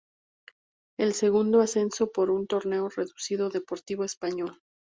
El segundo ascenso, por un torneo reducido, Deportivo Español.